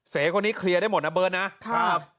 เสคนนี้เคลียร์ได้หมดนะเบิร์ตนะครับ